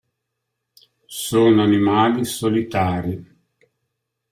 Sono animali solitari.